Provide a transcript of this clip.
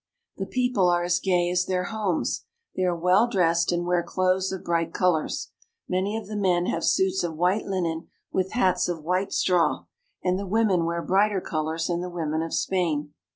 The people are as gay as their homes. They are well dressed, and wear clothes of bright colors. Many of the men have suits of white linen with hats of white straw, and the women wear brighter colors than the women of Spain.